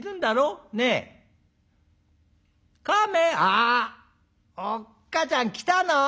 「あおっかちゃん来たの。